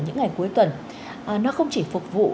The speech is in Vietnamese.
những ngày cuối tuần nó không chỉ phục vụ